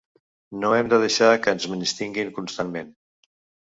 No hem de deixar que ens menystinguin constantment.